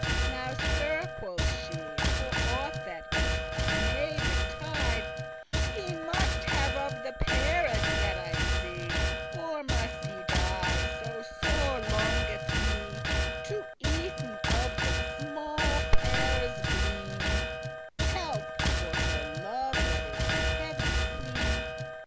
Now, Sir," quoth she, "for aught that may betide, I must have of the peares that I see, Or I must die, so sore longeth me To eaten of the smalle peares green; Help, for her love that is of heaven queen!